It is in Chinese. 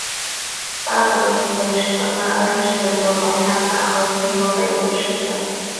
巴德茨维舍纳恩是德国下萨克森州的一个市镇。